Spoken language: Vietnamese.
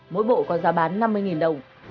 mỗi bộ có giá bán năm mươi đồng